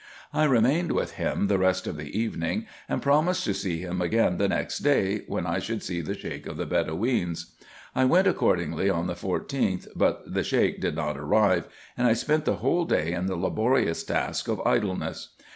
I re mained with him the rest of the evening, and promised to see him again the next day, when I should see the Sheik of the Bedoweens. I went accordingly on the 14th, but the Sheik did not arrive, and I spent the whole day in the laborious task of idleness.